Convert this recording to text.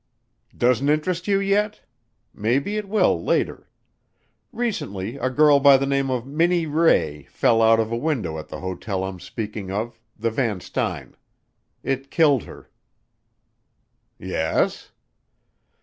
"Doesn't interest you yet? Maybe it will later. Recently a girl by the name of Minnie Ray fell out of a window at the hotel I'm speaking of the Van Styne. It killed her." "Yes?"